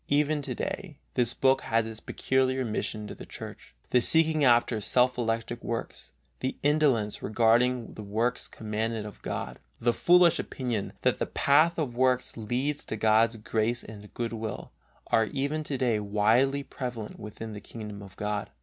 Even to day this book has its peculiar mission to the Church. The seeking after self elected works, the indolence regarding the works commanded of God, the foolish opinion, that the path of works leads to God's grace and good will, are even to day widely prevalent within the kingdom of God.